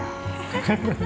フフフッ。